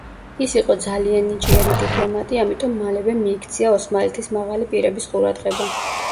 ის იყო ძალიან ნიჭიერი დიპლომატი, ამიტომ მალევე მიიქცია ოსმალეთის მაღალი პირების ყურადღება.